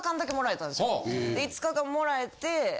５日間もらえて。